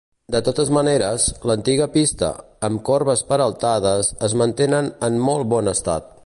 De totes maneres, l'antiga pista, amb corbes peraltades es mantenen en molt bon estat.